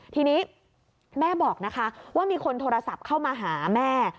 ทีนี้แม่บอกนะคะว่ามีคนโทรศัพท์เข้ามาหาแม่